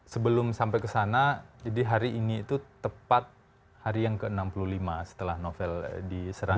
sebelum sampai ke sana jadi hari ini itu tepat hari yang ke enam puluh lima setelah novel diserang